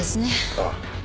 ああ。